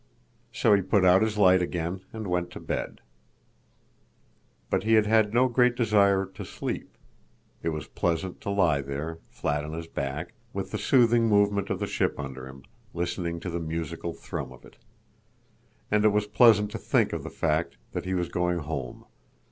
So he put out his light again and went to bed. But he had no great desire to sleep. It was pleasant to lie there, flat on his back, with the soothing movement of the ship under him, listening to the musical thrum of it. And it was pleasant to think of the fact that he was going home.